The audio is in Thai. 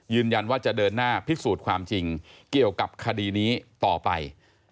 ยืนยันว่าจะเดินหน้าพิสูจน์ความจริงเกี่ยวกับคดีนี้ต่อไป